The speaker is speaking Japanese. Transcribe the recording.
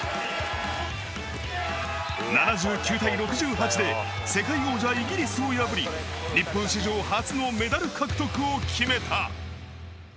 ７９対６８で世界王者イギリスを破り、日本史上初のメダル獲得を決めた。